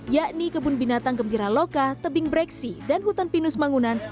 yakni kebun binatang gembira loka tebing breksi dan hutan pinus mangunan